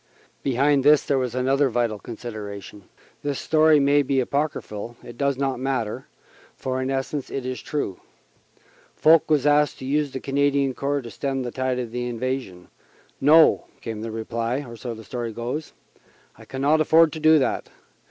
Behind this there was another vital consideration. This story may be apocryphal it does not matter, for in essence it is true. Foch was asked to use the Canadian Corps to stem the tide of invasion. "No," came the reply so the story goes "I cannot afford to do that.